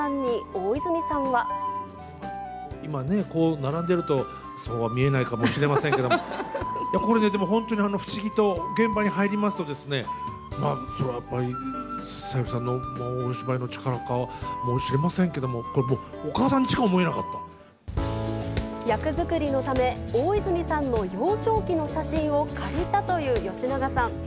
今ね、こう並んでると、そうは見えないかもしれませんけれども、これでも本当に、不思議と現場に入りますとですね、そらやっぱり、小百合さんのお芝居の力かもしれませんけれども、これもう、役作りのため、大泉さんの幼少期の写真を借りたという吉永さん。